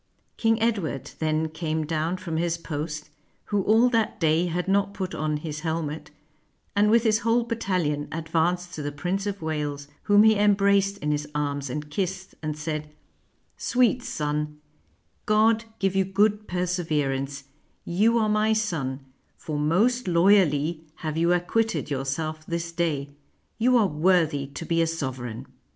King Edward then came down 179 FRANCE from his post, who all that day had not put on his hel met, and with his whole battalion advanced to the Prince of Wales, whom he embraced in his arms and kissed, and said," Sweet son, God give you good perseverance: you are my son, for most loyally have you acquitted yourself this day: you are worthy to be a sovereign."